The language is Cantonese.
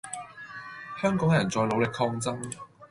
香港人在努力抗爭